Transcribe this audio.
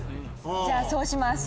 じゃあそうします。